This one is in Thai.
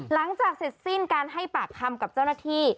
หลังจากเสร็จสิ้นการให้ปากคำกับเจ้าหน้าที่